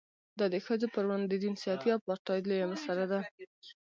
دا د ښځو پر وړاندې د جنسیتي اپارټایډ لویه مسله ده.